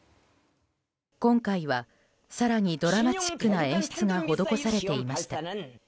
今回は更にドラマチックな演出が施されていました。